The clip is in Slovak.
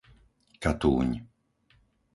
Katúň